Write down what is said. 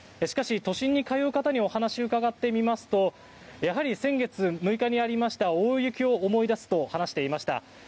しかし都心に通う方にお話を伺ってみますとやはり先月６日にありました大雪を思い出すと話していました。